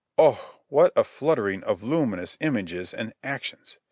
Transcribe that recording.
Oh, what a fluttering of luminous images and actions!